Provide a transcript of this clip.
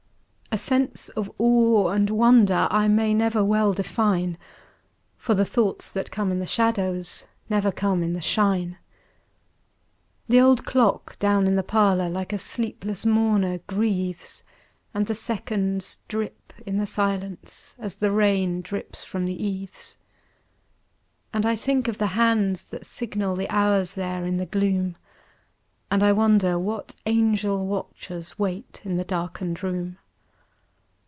A sense of awe and of wonder I may never well define, For the thoughts that come in the shadows Never come in the shine. The old clock down in the parlor Like a sleepless mourner grieves, And the seconds drip in the silence As the rain drips from the eaves. And I think of the hands that signal The hours there in the gloom, And wonder what angel watchers Wait in the darkened room.